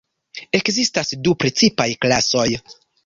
Ekzistas du precipaj klasoj.